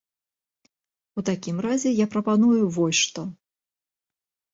У такім разе я прапаную вось што.